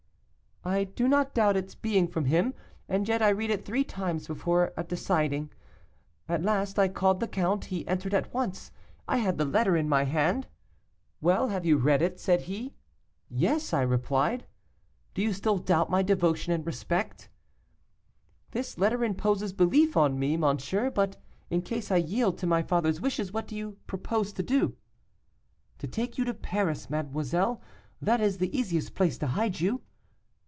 "I do not doubt its being from him, and yet I read it three times before deciding. At last I called the count. He entered at once; I had the letter in my hand. 'Well, have you read it?' said he. 'Yes,' I replied. 'Do you still doubt my devotion and respect?' 'This letter imposes belief on me, monsieur; but in case I yield to my father's wishes, what do you propose to do?' 'To take you to Paris, mademoiselle; that is the easiest place to hide you.